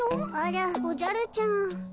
あらおじゃるちゃん。